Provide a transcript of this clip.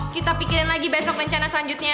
kita pikirin lagi besok rencana selanjutnya